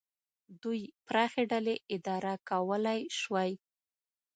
دوی پراخې ډلې اداره کولای شوای.